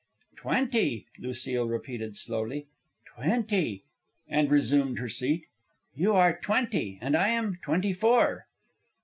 "Twenty," Lucile repeated, slowly. "Twenty," and resumed her seat. "You are twenty. And I am twenty four."